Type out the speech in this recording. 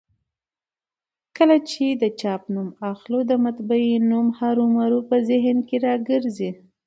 کله چي د چاپ نوم اخلو؛ د مطبعې نوم هرومرو په ذهن کي راځي.